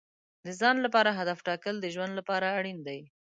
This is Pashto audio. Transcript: د ځان لپاره هدف ټاکل د ژوند لپاره اړین دي.